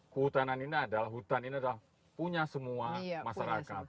kehutanan ini adalah hutan ini adalah punya semua masyarakat